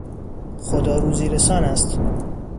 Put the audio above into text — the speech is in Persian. خدا روزیرسان است.